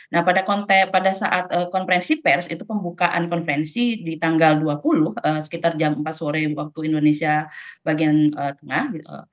nah pada saat konferensi pers itu pembukaan konferensi di tanggal dua puluh sekitar jam empat sore waktu indonesia bagian tengah